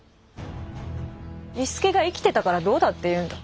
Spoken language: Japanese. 伊助が生きてたからどうだっていうんだ。